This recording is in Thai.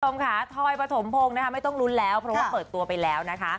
คุณผู้ชมค่ะทอยปฐมพงศ์นะคะไม่ต้องลุ้นแล้วเพราะว่าเปิดตัวไปแล้วนะคะ